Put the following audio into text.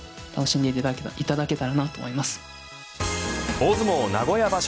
大相撲名古屋場所